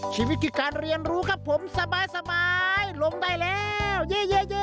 ชีวิตคือการเรียนรู้ครับผมสบายลงได้แล้วเยอะ